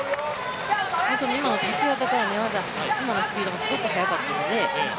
今の立ち技から寝技、今のスピードがすごく速かったのであ